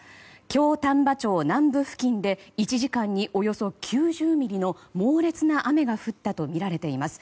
京丹波町南部付近で１時間におよそ９０ミリの猛烈な雨が降ったとみられています。